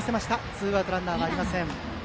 ツーアウトランナーはありません。